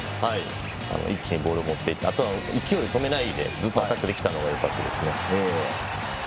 一気にボールを持っていってあとは勢いを止めないでずっとアタックできたのがよかったですね。